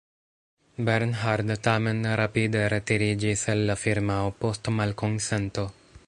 Bernhard tamen rapide retiriĝis el la firmao post malkonsento.